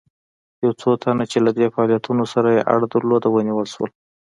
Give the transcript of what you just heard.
یو څو تنه چې له دې فعالیتونو سره یې اړه درلوده ونیول شول.